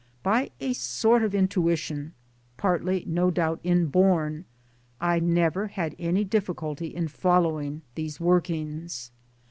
By a sort of intuition (partly no doubt inborn) I never had any difficulty in follow ing these workings.